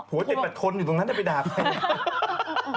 ผัวเจ็บปัดค้นอยู่ตรงนั้นได้ไปด่าใคร